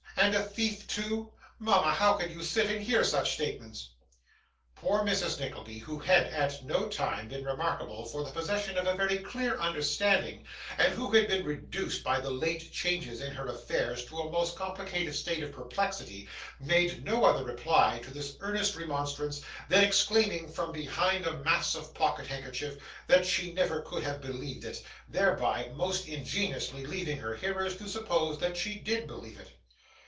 and a thief too! Mama, how can you sit and hear such statements?' Poor Mrs. Nickleby, who had, at no time, been remarkable for the possession of a very clear understanding, and who had been reduced by the late changes in her affairs to a most complicated state of perplexity, made no other reply to this earnest remonstrance than exclaiming from behind a mass of pocket handkerchief, that she never could have believed it thereby most ingeniously leaving her hearers to suppose that she did believe it.